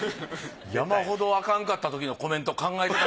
山ほどアカンかったときのコメント考えてた。